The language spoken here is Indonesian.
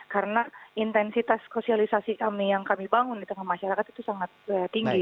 karena intensitas sosialisasi kami yang kami bangun di tengah masyarakat itu sangat tinggi